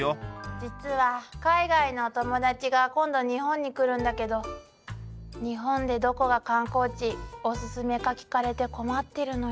実は海外の友達が今度日本に来るんだけど日本でどこが観光地おすすめか聞かれて困ってるのよ。